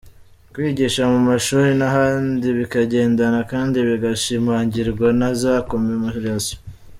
Kwigisha mu mashuri n’ahandi bikagendana kandi bigashimangirwa na za commemorations.